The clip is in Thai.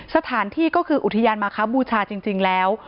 สถานที่ก็คืออุทยานมาครับบูชาจริงแล้ว